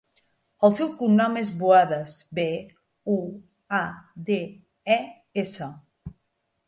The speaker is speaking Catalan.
El seu cognom és Buades: be, u, a, de, e, essa.